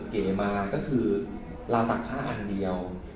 เก๋มาก็คือเราตักผ้าอันเดียว